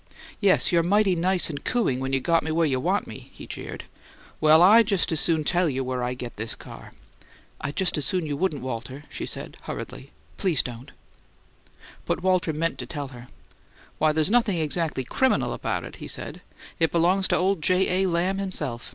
"Yes, you're mighty nice and cooing when you got me where you want me," he jeered. "Well, I just as soon tell you where I get this car." "I'd just as soon you wouldn't, Walter," she said, hurriedly. "Please don't." But Walter meant to tell her. "Why, there's nothin' exactly CRIMINAL about it," he said. "It belongs to old J. A. Lamb himself.